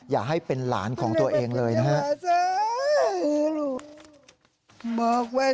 อย่าให้เป็นหลานของตัวเองเลยนะครับ